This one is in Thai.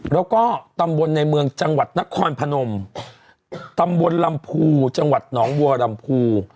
แล้วก็ตำบลในเมืองจังหวัดนครพนมตำบลลำพูจังหวัดหนองบัวลำพู